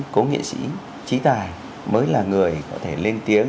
có nghệ sĩ trí tài mới là người có thể lên tiếng